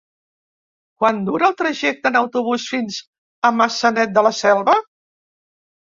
Quant dura el trajecte en autobús fins a Maçanet de la Selva?